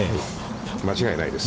間違いないです。